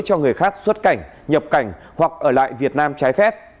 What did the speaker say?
cho người khác xuất cảnh nhập cảnh hoặc ở lại việt nam trái phép